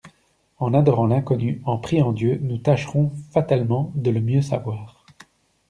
En adorant l'Inconnu, en priant Dieu, nous tâcherons fatalement de le mieux savoir.